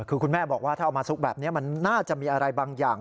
คือคุณแม่บอกว่าถ้าเอามาซุกแบบนี้มันน่าจะมีอะไรบางอย่าง